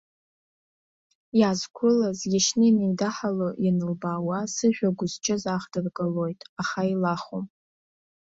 Иаазқәылаз, иашьны инеидаҳало ианылбаауа, сышә агәыз-чыз аахдыргалоит, аха илахом.